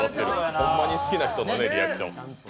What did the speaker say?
ほんまに好きな人のリアクション。